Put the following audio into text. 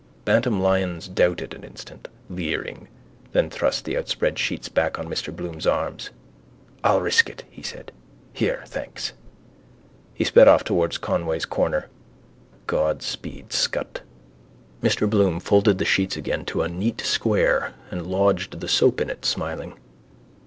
Bantam Lyons doubted an instant, leering: then thrust the outspread sheets back on Mr Bloom's arms. —I'll risk it, he said. Here, thanks. He sped off towards Conway's corner. God speed scut. Mr Bloom folded the sheets again to a neat square and lodged the soap in it, smiling.